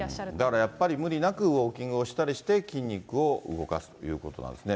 だからやっぱり、無理なくウォーキングをしたりして、筋肉を動かすということなんですね。